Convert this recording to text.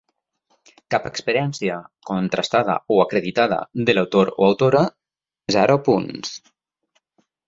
Cap experiència contrastada o acreditada de l'autor o autora: zero punts.